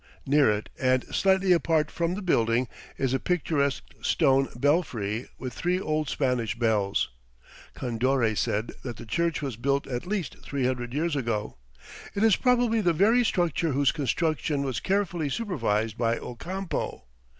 Near it, and slightly apart from the building, is a picturesque stone belfry with three old Spanish bells. Condoré said that the church was built at least three hundred years ago. It is probably the very structure whose construction was carefully supervised by Ocampo.